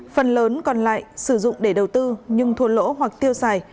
phần lớn còn lại sử dụng để đầu tư nhưng thua lỗ hoặc tiêu xài